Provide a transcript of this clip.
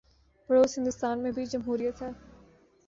پڑوس ہندوستان میں بھی جمہوریت ہے۔